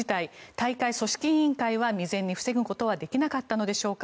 大会組織委員会は未然に防ぐことはできなかったのでしょうか。